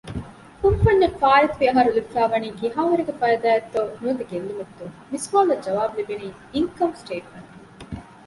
ކުންފުންޏަށް ފާއިތުވި އަހަރު ލިބިފައިވަނީ ކިހާވަރެއްގެ ފައިދާ އެއްތޯ ނުވަތަ ގެއްލުމެއްތޯ؟ މިސުވާލަށް ޖަވާބު ލިބެނީ އިންކަމް ސޓޭޓްމަންޓުން